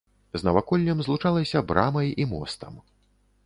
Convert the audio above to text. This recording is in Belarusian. З наваколлем злучалася брамай і мостам.